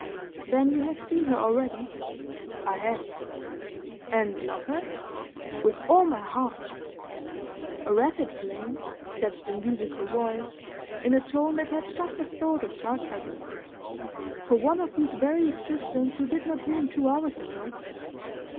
"Then you have seen her already?" "I have." "And love her?" "With all my heart!" "A rapid flame," said the musical voice, in a tone that had just a thought of sarcasm; "for one of whose very existence you did not dream two hours ago."